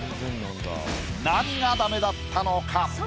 何がダメだったのか？